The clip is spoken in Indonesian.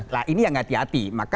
nah ini yang hati hati